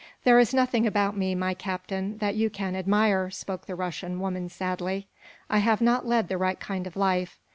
"There is nothing about me, my Captain, that you can admire," spoke the Russian woman, sadly. "I have not led the right kind of life.